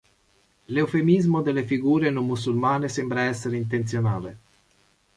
L'eufemismo delle figure non musulmane sembra essere intenzionale.